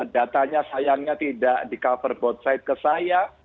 datanya sayangnya tidak di cover both side ke saya